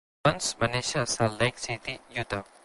Evans va néixer a Salt Lake City, Utah.